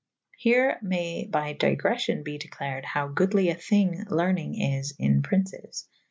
Here maye by digreffyon be declared howe goodly a thyng lernyng is in Prynces.